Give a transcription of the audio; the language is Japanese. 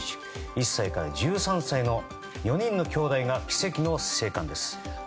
１歳から１３歳の４人のきょうだいが奇跡の生還です。